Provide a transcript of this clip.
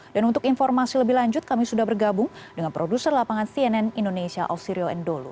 dan untuk informasi lebih lanjut kami sudah bergabung dengan produser lapangan cnn indonesia osirio endolo